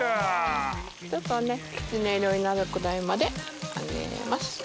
ちょっときつね色になるくらいまで揚げます。